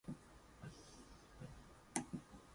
The manga was later licensed in Taiwan by Sharp Point Press.